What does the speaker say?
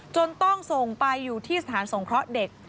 จนต้องส่งไปอยู่ที่สถานสงเคราะห์เด็ก